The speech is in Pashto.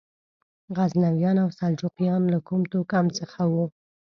غزنویان او سلجوقیان له کوم توکم څخه وو؟